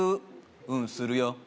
「うんするよ」